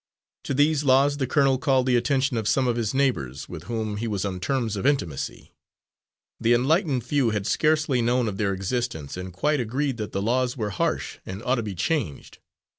To these laws the colonel called the attention of some of his neighbours with whom he was on terms of intimacy. The enlightened few had scarcely known of their existence, and quite agreed that the laws were harsh and ought to be changed.